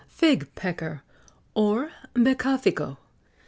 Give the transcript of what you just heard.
FIG PECKER, OR, BECAFICO.